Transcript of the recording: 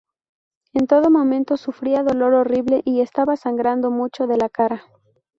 En todo momento, sufría dolor horrible y estaba sangrando mucho de la cara.